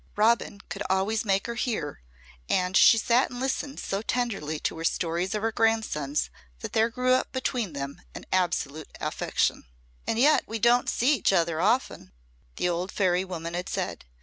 Robin could always make her hear, and she sat and listened so tenderly to her stories of her grandsons that there grew up between them an absolute affection. "And yet we don't see each other often," the old fairy woman had said.